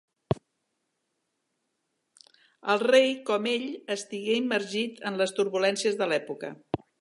El rei, com ell, estigué immergit en les turbulències de l'època.